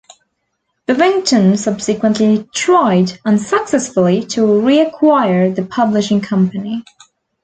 Bevington subsequently tried, unsuccessfully, to reacquire the publishing company.